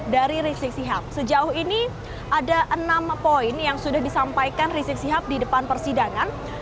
dari rizik sihab sejauh ini ada enam poin yang sudah disampaikan rizik sihab di depan persidangan